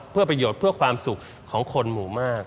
เพื่อประโยชน์เพื่อความสุขของคนหมู่มาก